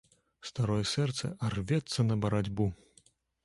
Старое сэрца, а рвецца на барацьбу!